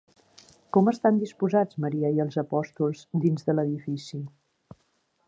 Com estan disposats Maria i els apòstols dins de l'edifici?